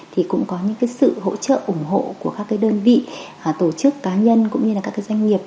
thì cũng có những sự hỗ trợ ủng hộ của các đơn vị tổ chức cá nhân cũng như các doanh nghiệp